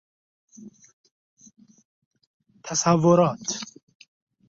تصورات